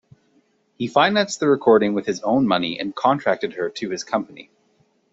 He financed the recording with his own money and contracted her to his company.